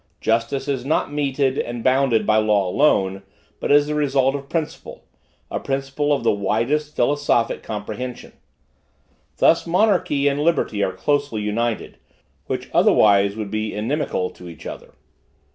Justice is not meted and bounded by law alone, but is the result of principle, a principle of the widest philosophic comprehension. Thus, monarchy and liberty are closely united, which otherwise would be inimical to each other.